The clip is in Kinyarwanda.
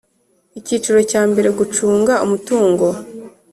Icyiciro cya mbere Gucunga umutungo